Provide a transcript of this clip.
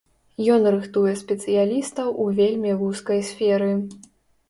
Ён рыхтуе спецыялістаў у вельмі вузкай сферы.